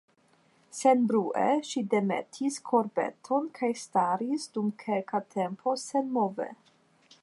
Senbrue ŝi demetis korbeton kaj staris, dum kelka tempo, senmove.